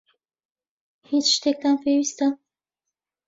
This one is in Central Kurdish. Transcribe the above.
هیچ شتێکتان پێویستە؟